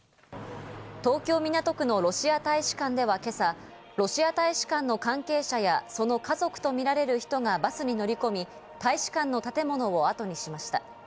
東京・港区のロシア大使館では今朝、ロシア大使館の関係者や、その家族とみられる人がバスに乗り込み、大使館の建物をあとにしました。